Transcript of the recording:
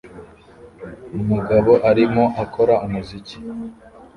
Umugabo arimo akora umuziki